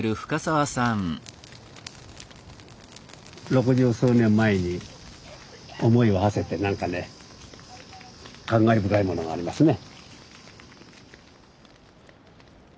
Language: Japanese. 六十数年前に思いをはせてなんかね感慨深いものがありますね。